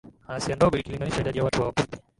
Asia Ndogo ikilinganisha idadi ya watu Wakurdi